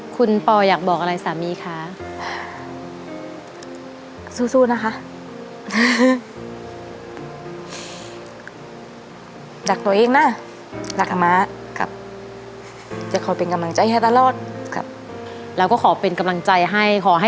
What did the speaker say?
คุณพ่อยอยากบอกอะไรสามีคะ